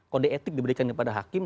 kode etik diberikan kepada hakim